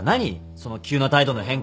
その急な態度の変化。